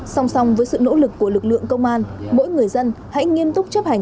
sòng sòng với sự nỗ lực của lực lượng công an mỗi người dân hãy nghiêm túc chấp hành